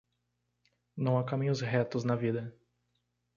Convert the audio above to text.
Não há caminhos retos na vida.